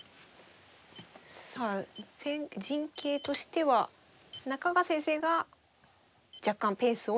さあ陣形としては中川先生が若干ペースを握っております。